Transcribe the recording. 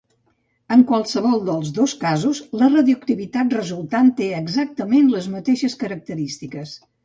En qualsevol dels dos casos la radioactivitat resultant té exactament les mateixes característiques.